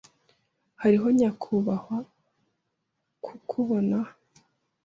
Hariho nyakubahwa kukubona.